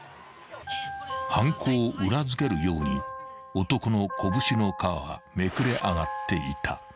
［犯行を裏付けるように男の拳の皮はめくれ上がっていた］